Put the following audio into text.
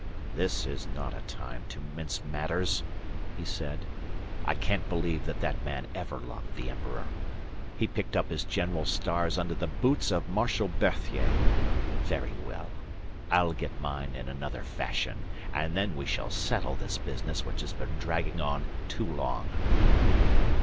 "This is not a time to mince matters," he said. "I can't believe that that man ever loved the emperor. He picked up his general's stars under the boots of Marshal Berthier. Very well. I'll get mine in another fashion, and then we shall settle this business which has been dragging on too long."